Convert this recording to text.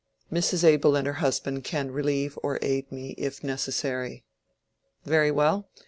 Mrs. Abel and her husband can relieve or aid me, if necessary." "Very well.